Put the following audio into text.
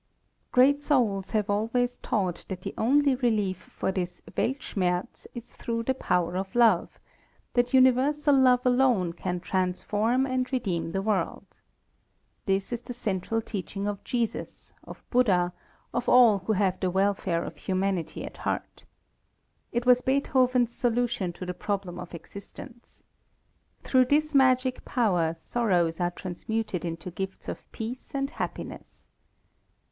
Great souls have always taught that the only relief for this Weltschmerz is through the power of love; that universal love alone can transform and redeem the world. This is the central teaching of Jesus, of Buddha, of all who have the welfare of humanity at heart. It was Beethoven's solution of the problem of existence. Through this magic power, sorrows are transmuted into gifts of peace and happiness.